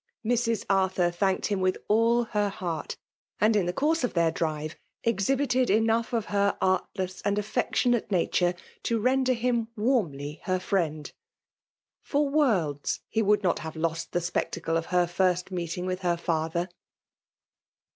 Mrs. Artiinr thadted him with lA her heart ; and in the coukc of their drive eihibtted enough of her artless and affec iitmate nature to render him warmly her firiend. For worlds he would not have kMt the spectacle of her first meeting with her father.